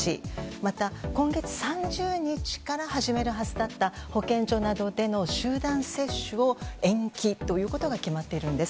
また今月３０日から始めるはずだった保健所などでの集団接種を延期ということが決まっているんです。